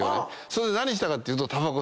それで何したかっていうと。